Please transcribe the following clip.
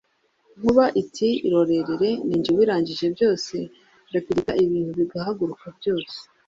Nkuba ati: "Irorerere ni jye ubirangije byose, ndatigita ibintu bigahaguruka byose